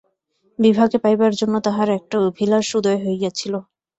বিভাকে পাইবার জন্য তাঁহার একটা অভিলাষ উদয় হইয়াছিল।